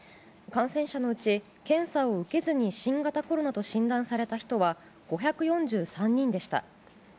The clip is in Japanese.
感染者のうち、検査を受けずに新型コロナと診断された人は５４３人でした。